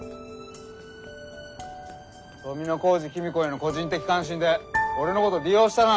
富小路公子への個人的関心で俺のこと利用したな。